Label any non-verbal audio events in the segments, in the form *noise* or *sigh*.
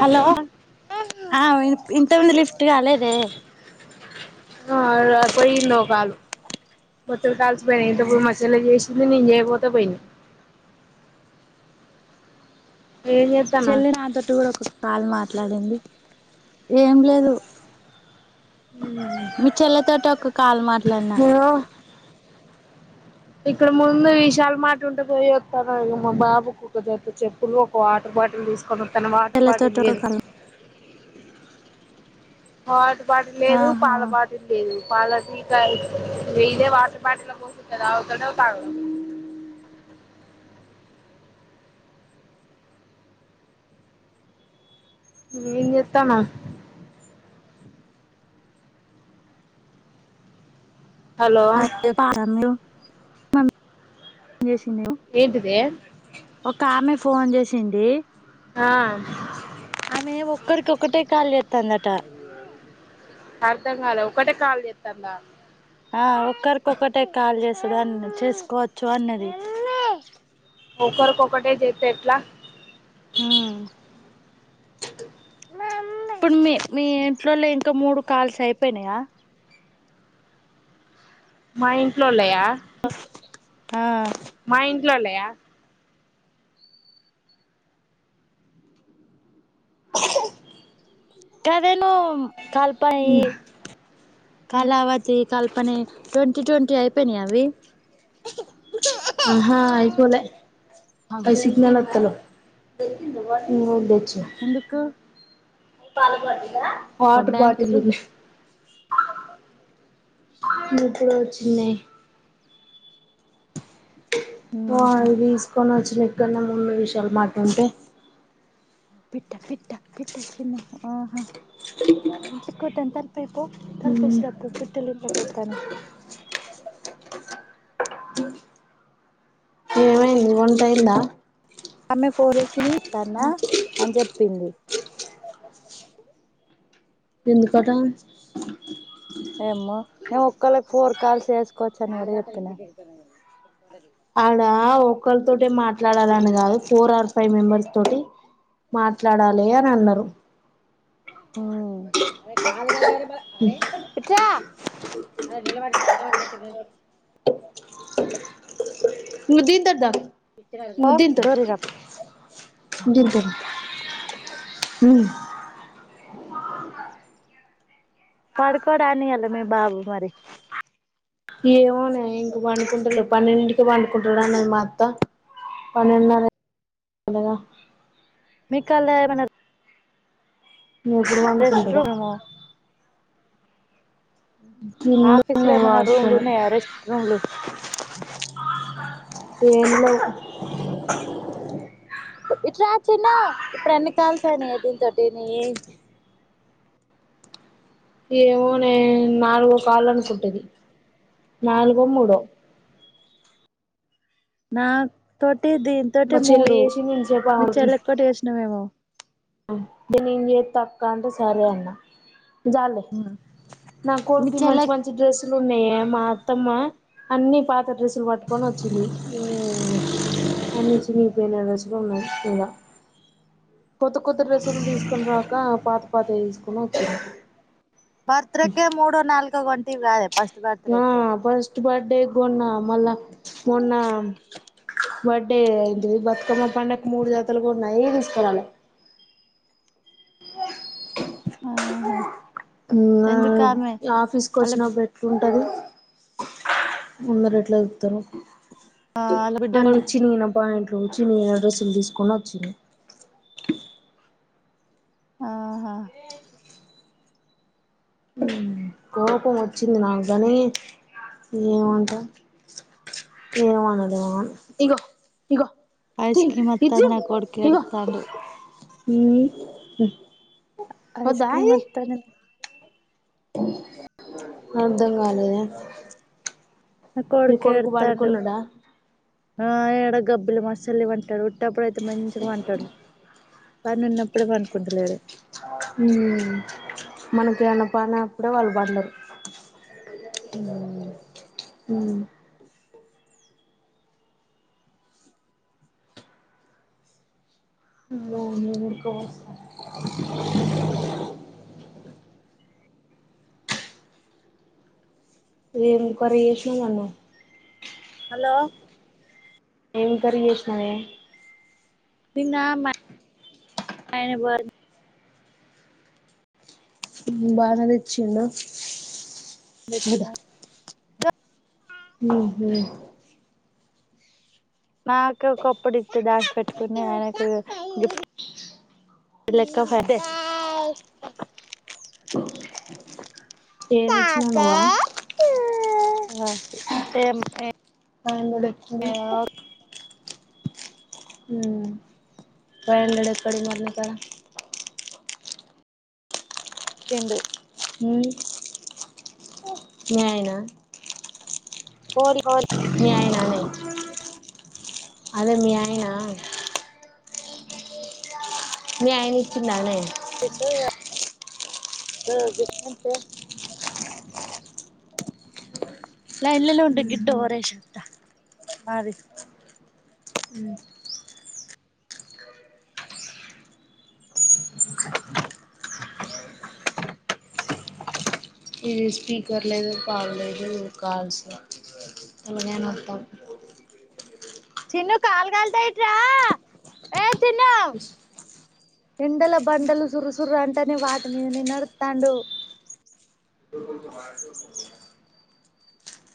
Hello ఇంటి ముందరి lift రాలేదే ఆడ పోయిండొ పాలు ట్వల్ కాల్సిపోయినాయి ఇంతప్పుడు మచ్చలో చేసింది నేను చేయపోతా పోయినియ్ చేత్తన్నావ్ చెల్లి నా తోటి కూడా ఒకొక కాల్ మా మాట్లాడండి ఏం లేదు మీ చెల్లతోటి ఒక కాల్ మాట్లాడినా ఇగో ఇక్కడ ముందు విశాల మార్ట్ ఉంటే పోయి వత్తాన మా బాబుకు కొదిగైతె చెప్పులు ఒక వాటర్ బాటిల్ తీసుకుని వత్తన వాటర్ బాటిల్ చెల్లెతోటి ఒక లేదు కాల్ వాటర్ బాటిలు లేదు ఆహా పాల బాటిలు లేదు పాలపీకా వ ఇదే వాటర్ బాటిల్లో పోసిస్తే తాగుతడో పారపొ అ ఏం చెత్తనావ్ హలో *unintelligible* చేసింది ఏంటిదే ఒక ఆమె ఫోన్ చేసింది ఆ ఆమె ఒక్కరికి ఒకటే కాల్ చెత్తాందటా అర్ధం కాలె ఒకటే కాల్ చెత్తందా ఆ ఒక్కరికొక్కటే కాల్ చేసేదన్ని చేసుకోవచ్చు అన్నది ఒకొరికి ఒకటే చేస్తే ఎట్లా హ్మ్ అ ఇప్పుడు మీ మీ ఇంట్లోలి ఇంకా మూడు కాల్స్ అయిపోయినయా మా ఇంట్లోళ్ళయా ఆ మా ఇంట్లోళ్ళయ గదేనో కల్పాయి కళావతి కల్పనే ట్వంటీ ట్వంటీ అయిపోయినియా అవి ఆహా అయిపోలే ఇల్ సిగ్నల్ వత్తలే ఇందులో వుండేవి ఎందుకు వాటర్ బాటిల్ బ్యాంకుకి ఉంచు నీకు వచ్చిందేయ్ ఓ ఆడ్ని దీసుకొని వచ్చినకన్నా ముందు విషయాలు మాట్ ఉంటే పిట్ట పిట్ట పిట్ట చిన్న ఆహా ఇట్లికి కుతంత పోయ్ పో తలుపు రాసి పో పిట్టలు ఇంట్లోకి వత్తనయ్ ఇగ్ వంట అయింద ఆమె పోర్ ఇచ్చింది దాన్న అని చెప్పింది ఎళ్ళిపోదం ఏమో ఎ ఒకళ్ళకి ఫోర్ కాల్స్ వేసుకోవచ్చని ఎవరు చెప్పినారు ఆడ ఒకరి తోటి మాట్లాడాలని కాదు ఫోర్ ఆర్ ఫైవ్ మెంబర్స్ తోటి మాట్లాడాలి అని అన్నరు మ్మ్ ఇట్ రా బుజ్జి దర్ ద్ద డోర్ ఎయ్ ర నానమ్మ చాక్లేట్ ఇత్తది అంట మ్ పడుకోడానే ఇయళ మీ బాబు మరి ఏమోనే ఇంగ పండుకుంటాలేవ్ పన్నెడింటికి పండుకుంటాడు అన్నది మా అత్త పన్నెన్నర అలగా మీక్ కాల్లే నన్నరు. ఎప్పుడు రెస్ట్ కొనుకుంటడు రూము కింద ఆఫిస్ లో ఉన్నాయి ఏమన రూమ్లు వాష్రూమ్ ఉన్నాయ రెస్ట్ రూమ్లు ఏమ్ లేవ్ ఇట్ రా చిన్నా ఇప్పుడు ఎన్ని కాల్స్ అయినీయే దీన్తోటి నియ్యి ఏమోనే నాలుగో కాలు అనుకుంటఇది నాలుగో మూడో నా తోటి దీన్ మా తోటే చెల్లి మూడు చేసింది ఇంతసేపు మీ చెల్లక్కొటి చేసినవేమో నేన్ జేత్త అక్క అంటే సరే అన్నా జాల్లే నా మీ కొడ్కి చెల్లె మంచి మంచి డ్రెస్సులు ఉన్నయో మా అత్తమ్మ అ అన్నీ పాత డ్రెస్సులు పట్టుకొని వచ్చింది అన్ని చినిగి పోయిన డ్రెస్సుల్లే ఉన్నాయి ఇంగ కొత్త కొత్త డ్రెస్సులు తీసుకుని రాక పాత పా తాయ్ తీసుకొని వచ్చింది బర్త్ డేకే మూడు నాల్గో గొట్టివి గాదే ఫ ఆ ఫస్ట్ బడ్డె గొన్నా మళ్ళా మొన్న బడ్డె ఎంటి ఇది బతుకమ్మ పండక్కి మూడు జతలు గొన్న అయ్యి దీసుకురాలే ఆహా ఆ ఎందుకామె ఆఫీస్ కు ఆళ్ళ వచ్చినా పెట్టు ఉంటది అందరు ఎట్ల చుతరు ఆళ్ళ బిడ్డ అన్ని కొడుకు చినిగిన ప్యాం ట్లు చినిగిన డ్రస్సులు తీసుకోని వచ్చింది అ హా కోపం వచ్చింది నాకు గానీ ఏమంటా ఏం అనలేము ఇగో ఐస్ తిను క్రీమ్ ఇది వత్తాంది నా కొడుకు తిను ఇగో ఏడుత్తాండు ఊ మ్ ఐస్ క్రీమ్ అత్తనే అర్థం కాలేదే నా మీ కొడుకు ఎడుతాండు పడుకున్నడా గబ్బులు మసలి వంటాడు ఉటప్పుడయితే మంచిగా పంటాడు పని ఉన్నప్పుడే పనుకుంటలేడు మ్ మనకి ఎవన పనప్పుడే వాళ్ళు పండరు ఉమ్ అమ్మో ఏం ఉడక పోస్తాంది ఏం కర్రి చేసినవ్ నన్ను హలో ఎం కర్రి చేసినవే నిన్న మా ఆయనకు బాలే మ్ బానే తెచ్చిండు దేచ్చిన ఉమ్ హు నాకు ఒకప్పుడు దాసి పెట్టుకుని ఆయనకు గిఫ్ లెక్క ఏం ఇచ్చినవ్ నువ్వు ఆ ఏం ఎ ఆ *unintelligible* మ్ సరేలేడి ఎక్కడికి మాట్లాడతాడ టెండు ఉమ్ మీ ఆయన కోరి కో మీ ఆయననే అదే మీ ఆయన మీ ఆయన ఇచ్చిండానే ఆ గిఫ్ట్ అంటే లైన్ నే ఉండు గి డోర్ యేసోస్తా ఇది స్పీకర్ లేదు పాడులేదు ఈ కాల్స్ ల ఏమనయినయ వత్తం చిన్ను కాళ్లు కాల్తయ్ ఇట్రా ఏ చిన్ను ఎండల బండలు సురు సురు అంటేనే వాటి మీదనే నడుతాండు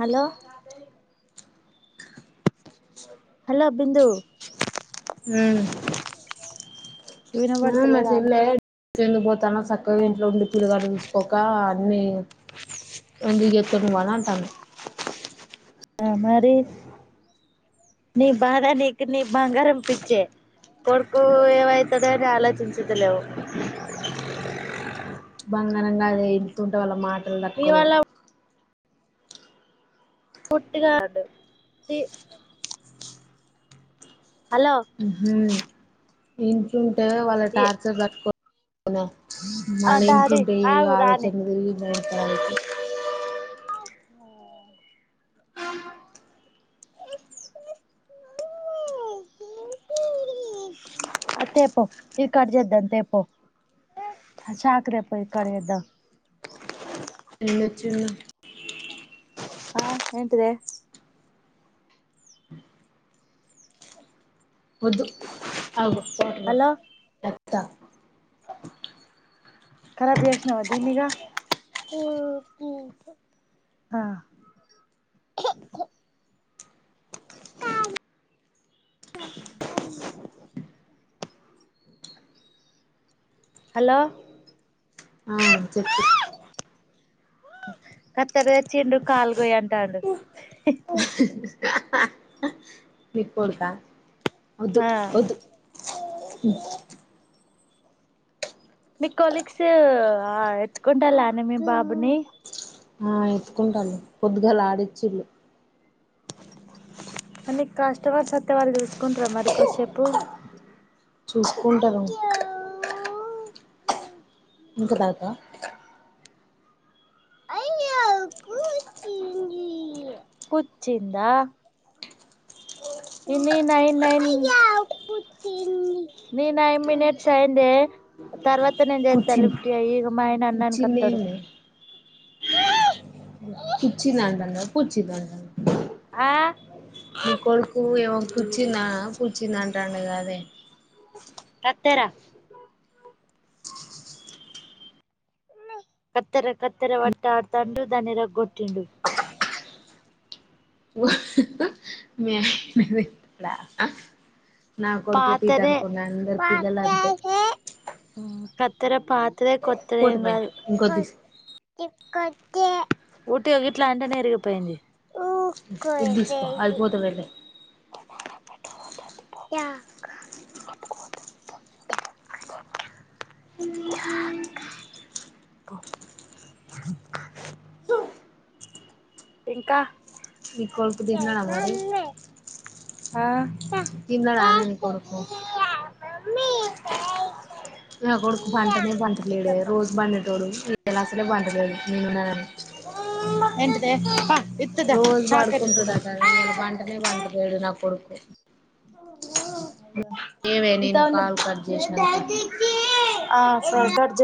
హలో హలో బిందు ఉమ్ మరి వినబడతలేదా చెల్లే చెందు పోతాను సక్కగా ఇంట్లో ఉండి పిల్లగాడిని సుసుకోక అని చెత్తన్నావ్ ఆడ అంటాంది ఆ మరి నీ బాధ నీకు నీ బంగారం పిచ్చి కొడుకు ఏమైతది అని ఆలోచించతలేవు బంగారంగా కాదే ఇంట్ల ఉంటే వాళ్ళ మాటలు మీ తట్టుకోలేవు, వల్ల గాడు ఉహు ఇంట్ల ఉంటే వాళ్ళ టార్చర్ తట్టుకోలేము, ఆ మళ్ళీ ఇంట్ల డాడీ ఉంటే అయ్యేయో ఆగు రాని ఆలోచనలు తిరిగియిడాకి *unintelligible* *unintelligible* అది తెపో ఇది కట్ చేద్దాం తెపో అ చాక్ తెపో ఇది కట్ చేద్దాం ఎన్నొచ్చున్నా ఆ ఏంటిదె వద్దు ఆ గో ఇదే హలో వాటర్ ఖరాబ్ చేసినవా దీని ఇగా *unintelligible* *unintelligible* *unintelligible* హలో అ చెప్పు కత్తెర తెచ్చిండు కాలుచేయంటాడు నీకొడుకా వద్దు ఆ వద్దు హు మీ కొలీగ్స్ ఎత్తుకుంటారా మీ బాబుని ఆ ఎత్తుకుంటాళ్లు పొద్దుగాల ఆడిచ్చిళ్ళు అనీ కస్టమర్ వత్తే వాళ్ళు తీసుకుంటార మరి కొసేపు చూసుకుంటారు అయ్యో ఇంకా దాకా అయ్యో కుచ్చిందా ఇన్ని నైన్ నైన్ నిది నైన్ మినిట్స్ అయింది, తర్వాత ఫాస్ట్ నేను చేస్తా కుర్చీ లిఫ్టీి చేయి ఈగ మాయన అన్ననికి వతాడు, కుర్చీలేమి కుచ్చి దంటను కుచ్చి దంటను ఆ నీ కొడుకు ఏమో కూచ్చినా కూచ్చినా అంటే అంటాడు కాదే కత్తేర కత్తెర కత్తెర పట్టి ఆడుతాండు దాని ఇరగా కొటిండు, *unintelligible* తీట పాతదే అనుకున్నా అందరు పిల్లలు అంతే పాతదే కత్తేరా ప కొత్త కొత్తది ఏం పోతమే ఇంకోటి తీసుకో కాదు ఊటి ఇట్లా అంటేనే ఇరిగిపోయింది. ఇది తీస్కో ఊకోయిపోయింది అయిపోతాది అది *unintelligible* *unintelligible* *unintelligible* ఇంకా ని కొడుకు తినడ మరి మమ్మీ ఆ తినడనే ని కొడుకు మమ్మీ పయ నా కొడుకు పంటనే పంటలేడ రోజు పండెటోడు ఇవలా అసలే పంట *unintelligible* *unintelligible* రోజు చాక్లెట్ ఇత్తదా పడుకుంటుడా కదా ఇయాలా పంటనే పంటలేడు నా కొడుకు, ఏవే ఇంత నేను కాల్ కట్ చేసినా ఆ *unintelligible*